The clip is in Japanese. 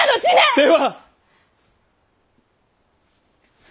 では。